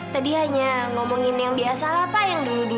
tadi hanya ngomongin yang biasa lah pak yang dulu dulu